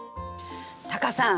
タカさん！